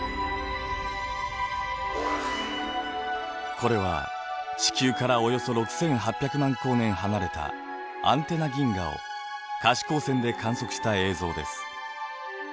これは地球からおよそ６，８００万光年離れたアンテナ銀河を可視光線で観測した映像です。